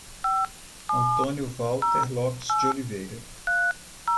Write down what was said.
Antônio Valter Lopes de Oliveira